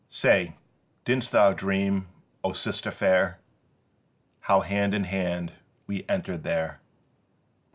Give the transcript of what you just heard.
Say, didst thou dream, O Sister fair, How hand in hand we entered there?